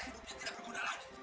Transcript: jalan pergi ke jalan